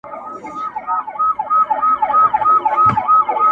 پټه خوله یمه له ویري چا ته ږغ کولای نه سم!.